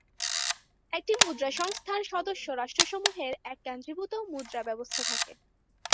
একটি "মুদ্রা সংস্থা"র সদস্য রাষ্ট্রসমূহের এক কেন্দ্রীভূত মুদ্রা ব্যবস্থা থাকে।